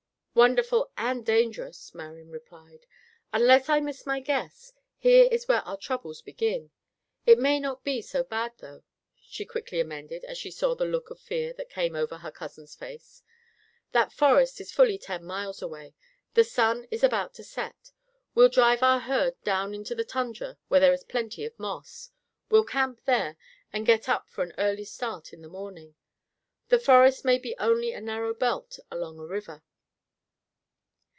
"Wonderful and dangerous," Marian replied. "Unless I miss my guess, here is where our troubles begin. It may not be so bad, though," she quickly amended, as she saw the look of fear that came over her cousin's face. "That forest is fully ten miles away. The sun is about to set. We'll drive our herd down into the tundra where there is plenty of moss. We'll camp there, and get up for an early start in the morning. The forest may be only a narrow belt along a river."